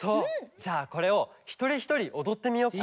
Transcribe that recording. じゃあこれをひとりひとりおどってみよっか。